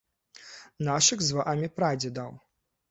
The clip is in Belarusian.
Нашых з вамі прадзедаў.